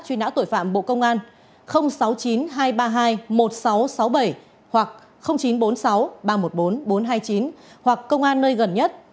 truy nã tội phạm bộ công an sáu mươi chín hai trăm ba mươi hai một nghìn sáu trăm sáu mươi bảy hoặc chín trăm bốn mươi sáu ba trăm một mươi bốn bốn trăm hai mươi chín hoặc công an nơi gần nhất